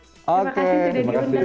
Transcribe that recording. terima kasih sudah diundang